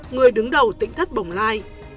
người đứng đầu tỉnh thất bồng lai